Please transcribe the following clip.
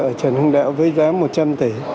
ở trần hưng đạo với giá một trăm linh tỷ